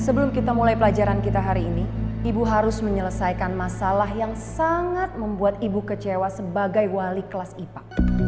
sebelum kita mulai pelajaran kita hari ini ibu harus menyelesaikan masalah yang sangat membuat ibu kecewa sebagai wali kelas ipa